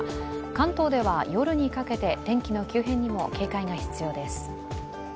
関東では夜にかけて天気の急変にも警戒が必要です。